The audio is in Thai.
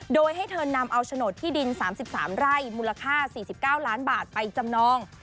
โดยให้เธอนำเอาโฉนดที่ดินสามสิบสามไร่มูลค่าสี่สิบเก้าล้านบาทไปจำนอง